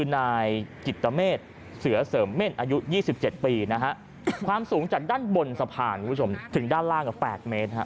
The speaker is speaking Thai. นายกิตเมษเสือเสริมเม่นอายุ๒๗ปีนะฮะความสูงจากด้านบนสะพานคุณผู้ชมถึงด้านล่างกับ๘เมตรฮะ